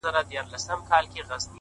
قرآن يې د ښايست ټوله صفات راته وايي-